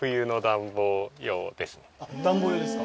暖房用ですか？